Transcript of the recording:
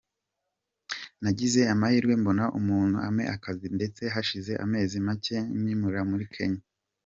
Nagize amahirwe mbona umuzungu ampa akazi ndetse hashize amezi make anyimurira muri Kenya.